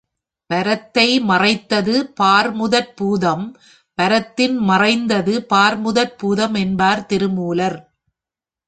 பரத்தை மறைத்தது பார்முதற் பூதம் பரத்தின் மறைந்தது பார்முதற் பூதம் என்பர் திருமூலர்.